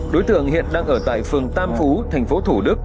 đối tượng hiện đang ở tại phường tam phú thành phố thủ đức